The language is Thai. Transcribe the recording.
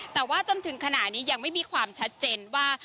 แต่ว่าจนถึงขณะนี้ยังไม่มีความชัดเจนว่า